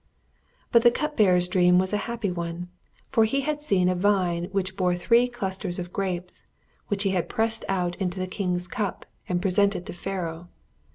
But the cup bearer's dream was a happy one, for he had seen a vine which bore three clusters of grapes, which he had pressed out into the king's cup and presented to Pharaoh.